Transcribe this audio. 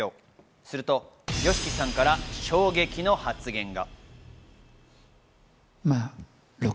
するとＹＯＳＨＩＫＩさんから衝撃の発言が。